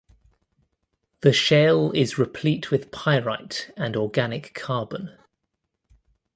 The shale is replete with pyrite and organic carbon.